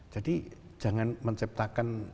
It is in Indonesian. jadi jangan menciptakan